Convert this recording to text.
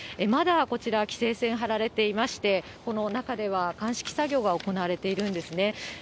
まだこちら、規制線張られていまして、この中では鑑識作業が行われているんですね。